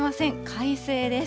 快晴です。